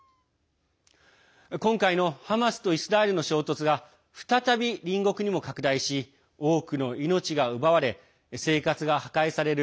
今回のハマスとイスラエルの衝突が再び隣国にも拡大し多くの命が奪われ生活が破壊される